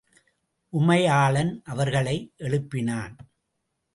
உமையாலன் அவர்களை எழுப்பினான்.